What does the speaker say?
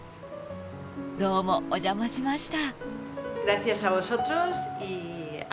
どうもお邪魔しました。